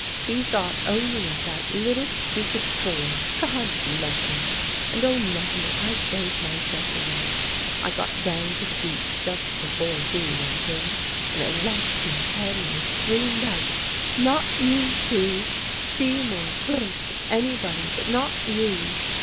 He thought only of that little stupid boy, God bless him. And, oh, Mummie, I gave myself away I got down to the beach just before Hughie went in, and I lost my head and I screamed out, 'Not you, Hughie: Seymour, Berts, anybody, but not you!'